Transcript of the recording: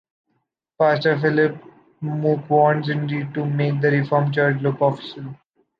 Pastor Philippe Mook wants indeed to make the reformed Church look official.